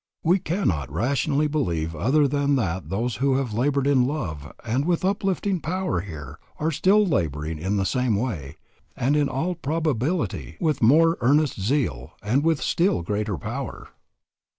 We cannot rationally believe other than that those who have labored in love and with uplifting power here are still laboring in the same way, and in all probability with more earnest zeal, and with still greater power.